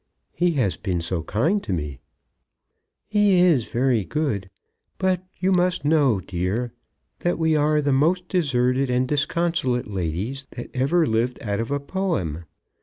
"He has been so kind to me." "He is very good; but you must know, dear, that we are the most deserted and disconsolate ladies that ever lived out of a poem.